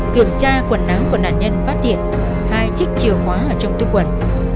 kiểm tra quần áo của nạn nhân phát hiện hai chiếc chìa khóa ở trong tư quần